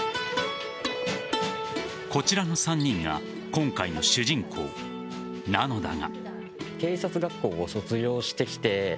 こちらの３人が今回の主人公なのだが。